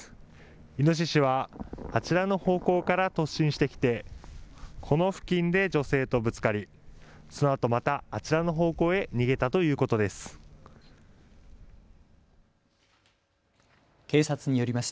イノシシはあちらの方向から突進してきてこの付近で女性とぶつかりそのあとまたあちらの方向へ逃げたということです。